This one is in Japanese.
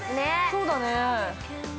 ◆そうだね。